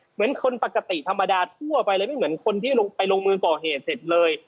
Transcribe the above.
เหมือนคนปกติธรรมดาทั่วไปเลยไม่เหมือนคนที่ลงไปลงมือก่อเหตุเสร็จเลย